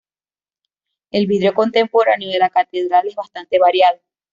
El vidrio contemporáneo de la catedral es bastante variado.